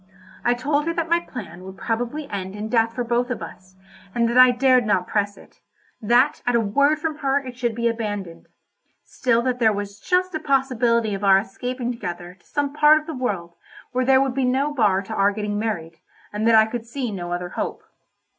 I told her that my plan would probably end in death for both of us, and that I dared not press it—that at a word from her it should be abandoned; still that there was just a possibility of our escaping together to some part of the world where there would be no bar to our getting married, and that I could see no other hope.